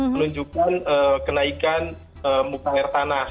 menunjukkan kenaikan muka air tanah